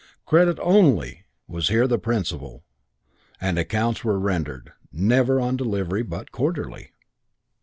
"Credit only" was here the principle, and accounts were rendered, never on delivery, but quarterly.